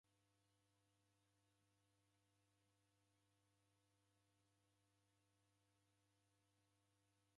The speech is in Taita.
Da ihi kazi niibonyagha ya kiw'ada nisene kompiuta?